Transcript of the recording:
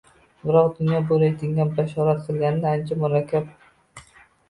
Biroq, dunyo bu reytinglar bashorat qilganidan ancha murakkab